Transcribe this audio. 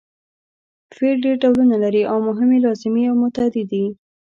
فعل ډېر ډولونه لري او مهم یې لازمي او متعدي دي.